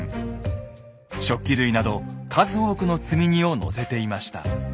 食器類など数多くの積み荷を載せていました。